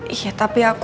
iya tapi aku